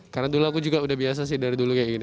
karena dulu aku juga udah biasa sih dari dulu kayak gini